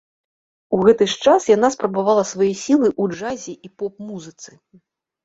У гэты ж час яна спрабавала свае сілы ў джазе і поп-музыцы.